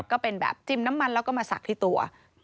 ก็เป็นแบบจิ้มน้ำมันแล้วก็มาสักที่ตัว